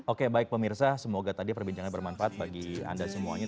oke baik pemirsa semoga tadi perbincangan bermanfaat bagi anda semuanya